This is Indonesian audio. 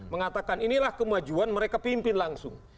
mengatakan inilah kemajuan mereka pimpin langsung